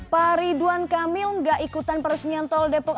pariduan kamil gak ikutan peresmian tol depok